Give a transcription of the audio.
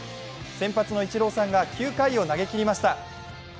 先発のイチローさんが９回を投げきりました。